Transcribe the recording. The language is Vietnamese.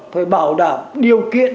phải bảo đảm điều kiện